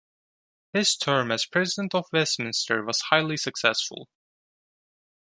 His term as president of Westminster was highly successful.